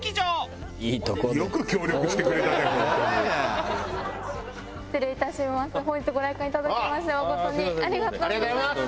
ありがとうございます。